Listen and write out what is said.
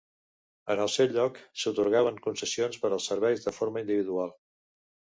En el seu lloc, s'atorgaven concessions per als serveis de forma individual.